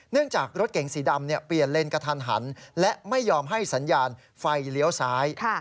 จากรถเก๋งสีดำเปลี่ยนเลนกระทันหันและไม่ยอมให้สัญญาณไฟเลี้ยวซ้าย